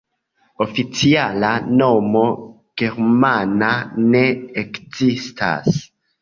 Oficiala nomo germana ne ekzistas.